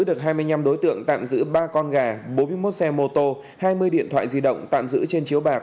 tại hiện trường lực lượng công an bắt giữ được hai mươi năm đối tượng tạm giữ ba con gà bốn mươi một xe ô tô hai mươi điện thoại di động tạm giữ trên chiếu bạc